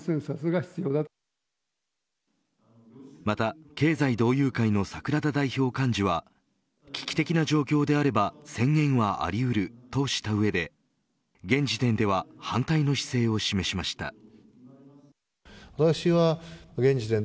また経済同友会の桜田代表幹事は危機的な状況であれば宣言はあり得るとした上で現時点では反対の姿勢を示しました。